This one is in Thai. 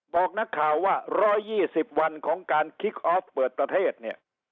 บอกนักข่าวว่า๑๒๐วันของการคิกออฟเปิดประเทศเนี่ย